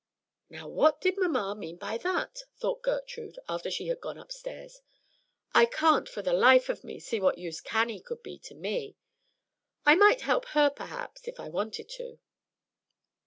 "Now, what did mamma mean by that?" thought Gertrude, after she had gone upstairs. "I can't, for the life of me, see what use Cannie could be to me. I might to her, perhaps, if I wanted to."